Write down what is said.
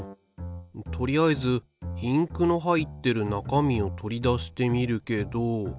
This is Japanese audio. とりあえずインクの入ってる中身を取り出してみるけど。